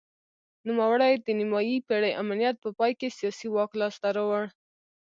نوموړي د نیمايي پېړۍ امنیت په پای کې سیاسي واک لاسته راوړ.